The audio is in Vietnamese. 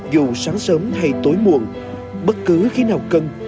dù sáng sớm hay tối muộn bất cứ khi nào cần